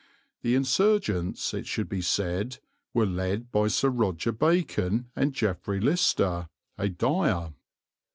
The insurgents, it should be said, were led by Sir Roger Bacon and Geoffrey Lister, a dyer.